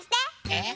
えっ？